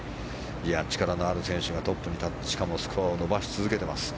力のある選手がトップに立ってしかもスコアを伸ばし続けてます。